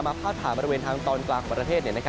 พาดผ่านบริเวณทางตอนกลางของประเทศ